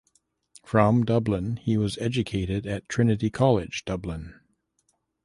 From Dublin he was educated at Trinity College Dublin.